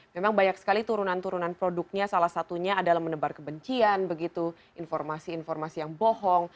memang banyak sekali turunan turunan produknya salah satunya adalah menebar kebencian begitu informasi informasi yang bohong